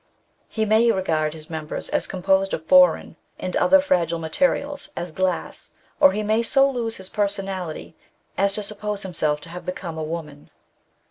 He may regard his members as composed of foreign and often fragile materials, as glass, or he may so lose his personality as to suppose himself to have become a woman.